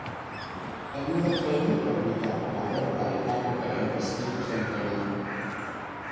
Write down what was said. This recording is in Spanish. El modo Training permite al jugador realizar diferentes tipo de entrenamiento.